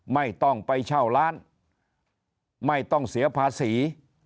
ไม่ต้องไปเช่าร้านไม่ต้องเสียภาษี